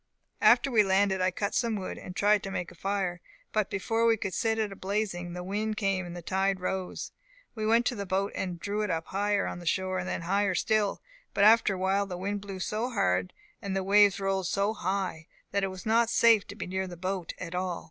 "After we landed I cut some wood, and tried to make a fire; but before we could set it a blazing the wind came and the tide rose. We went to the boat, and drew it up higher on shore, and then higher still; but after a while the wind blew so hard, and the waves rolled so high, that it was not safe to be near the boat at all.